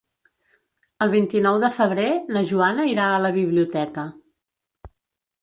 El vint-i-nou de febrer na Joana irà a la biblioteca.